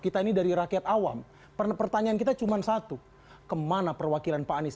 kita ini dari rakyat awam pernah pertanyaan kita cuman satu kemana perwakilan pak anies